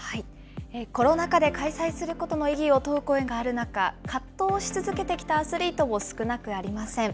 コロナ禍で開催することの意義を問う声がある中、葛藤し続けてきたアスリートも少なくありません。